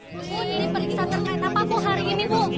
ibu ini periksa terkait apa bu hari ini bu